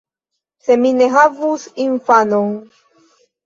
Se mi ne havus infanon!